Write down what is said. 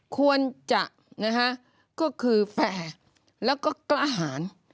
ควรจะนะฮะก็คือแฟร์แล้วก็กล้าหาร